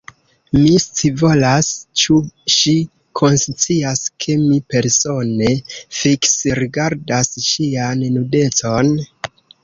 Mi scivolas: ĉu ŝi konscias, ke mi, persone, fiksrigardas ŝian nudecon?